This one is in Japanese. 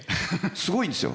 すごいんですよ。